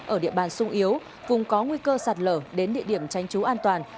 ở địa bàn sung yếu vùng có nguy cơ sạt lở đến địa điểm tranh chú an toàn